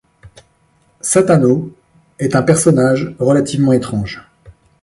Satanow est un personnage relativement étrange.